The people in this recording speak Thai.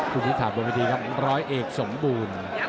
ผู้ที่ถามบนพิธีครับร้อยเอกสมบูรณ์